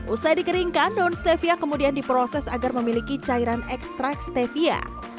usai dikeringkan daun stevia kemudian diproses agar memiliki cairan ekstrak stevia